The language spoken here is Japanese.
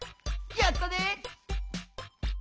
やったね！